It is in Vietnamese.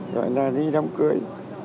rồi là đi đám cưới